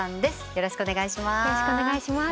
よろしくお願いします。